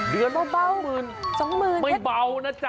เดือนละ๒๐๐๐๐ไม่เบานะจ๊ะ